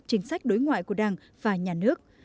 chính sách đối ngoại của đảng và nhà nước